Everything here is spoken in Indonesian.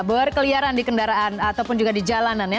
berkeliaran di kendaraan ataupun juga di jalanan ya